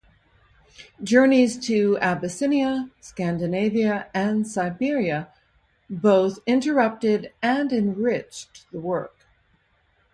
Journeys to Abyssinia, Scandinavia and Siberia both interrupted and enriched the work.